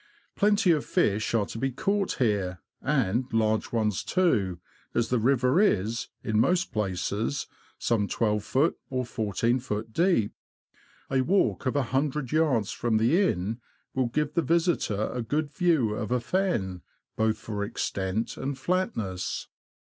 Plenty of fish are to be caught here, and large ones too, as the river is, in most places, some 12ft. or 14ft. deep. A walk of a hundred yards from the inn will give the visitor a good view of a fen, both for extent and flatness.